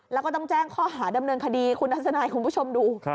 แล้วก็ต้องแจ้งข้อหาดำเนินคดีคุณทัศนายคุณผู้ชมดู